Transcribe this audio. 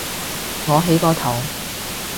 我起個頭